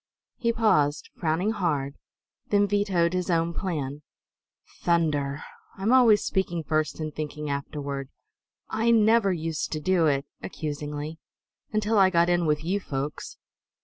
He paused, frowning hard; then vetoed his own plan. "Thunder; I'm always speaking first and thinking afterward. I never used to do it," accusingly, "until I got in with you folks.